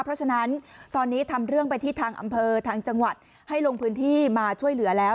เพราะฉะนั้นตอนนี้ทำเรื่องไปที่ทางอำเภอทางจังหวัดให้ลงพื้นที่มาช่วยเหลือแล้ว